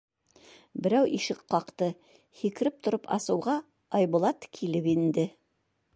Берәү ишек ҡаҡты, һикереп тороп асыуға, Айбулат килеп инде.